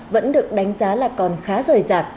vẫn được đánh giá là còn khá rời rạc